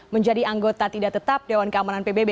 menjadi anggota tidak tetap dewan keamanan pbb